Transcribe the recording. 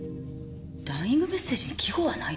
ダイイングメッセージに季語はないでしょ。